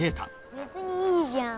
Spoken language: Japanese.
別にいいじゃん。